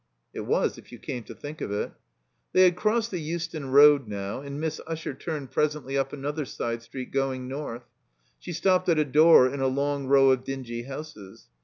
;, It was, if you came to think of it. ^They had crossed the Euston Road now, and Miss Usher turned presently up another side street going north. She stopped at a door in a long row of dingy houses.